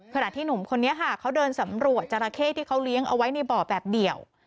ขณะที่หนุ่มคนนี้ค่ะเขาเดินสำรวจจราเข้ที่เขาเลี้ยงเอาไว้ในบ่อแบบเดี่ยว